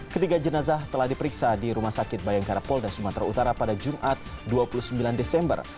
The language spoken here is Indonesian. ketiga jenazah telah diperiksa di rumah sakit bayangkara polda sumatera utara pada jumat dua puluh sembilan desember